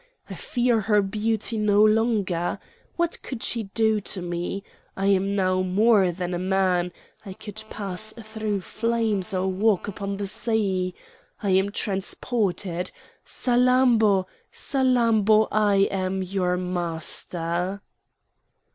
I fear her beauty no longer! What could she do to me? I am now more than a man. I could pass through flames or walk upon the sea! I am transported! Salammbô! Salammbô! I am your master!"